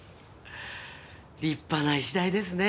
立派な石鯛ですね